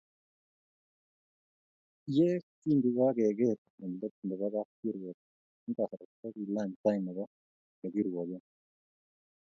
Ye kingokakeker eng let nebo kapkirwok eng kasarta kokikilany tai nebo Ole kirwoke